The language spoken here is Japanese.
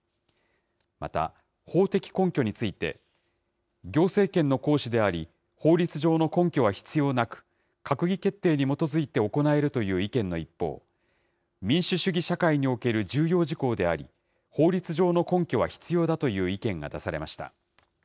また、法的根拠について、行政権の行使であり、法律上の根拠は必要なく、閣議決定に基づいて行えるという意見の一方、民主主義社会における重要事項であり、法律上の根拠は必要だという意見が出されました。